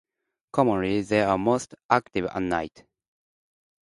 Commonly they are most active at night.